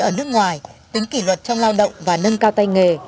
ở nước ngoài tính kỷ luật trong lao động và nâng cao tay nghề